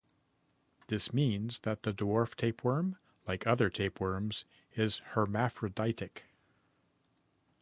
This means that the dwarf tapeworm, like other tapeworms is hermaphroditic.